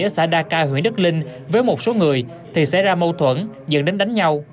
ở xã đa ca huyện đức linh với một số người thì xảy ra mâu thuẫn dẫn đến đánh nhau